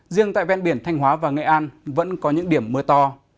riêng tại ven biển thanh hóa và nghệ an vẫn có những điểm mưa to